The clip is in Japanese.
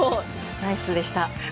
ナイスでした。